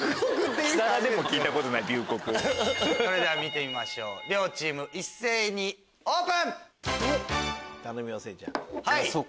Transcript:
それでは見てみましょう両チーム一斉にオープン！